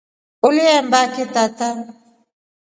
Uliambaki tata?